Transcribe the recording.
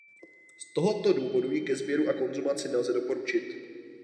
Z tohoto důvodu ji ke sběru a konzumaci nelze doporučit.